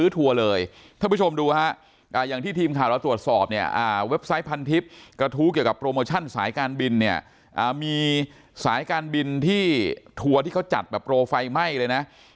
ทัวร์ที่เขาจัดแบบโปรไฟไหม้เลยนะ